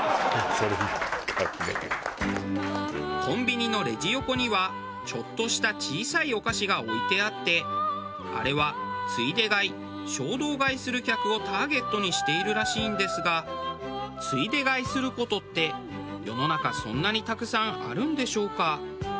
コンビニのレジ横にはちょっとした小さいお菓子が置いてあってあれは「ついで買い」「衝動買い」する客をターゲットにしているらしいんですがついで買いする事って世の中そんなにたくさんあるんでしょうか？